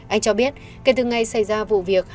anh cho biết kể từ ngày xảy ra vụ việc